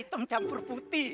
item campur putih